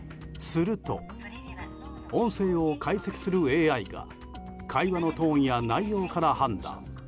すると、音声を解析するＡＩが会話のトーンや内容から判断。